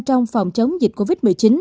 trong phòng chống dịch covid một mươi chín